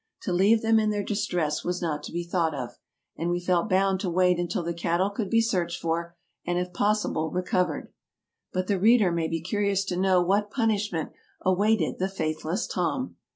To leave them in their distress was not to be thought of, and we felt bound to wait until the cattle could be searched for, and, if possible, re covered. But the reader may be curious to know what pun ishment awaited the faithless Tom.